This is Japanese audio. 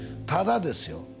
ただですよ